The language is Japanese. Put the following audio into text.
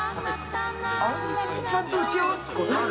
あんなにちゃんと打ち合わすことある？